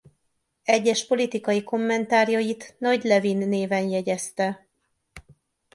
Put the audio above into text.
Egyes politikai kommentárjait Nagy Levin néven jegyezte.